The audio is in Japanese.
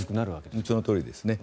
そのとおりです。